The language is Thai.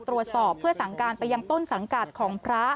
ตรวจสอบเพื่อสั่งการไปยังต้นสังกัดของพระ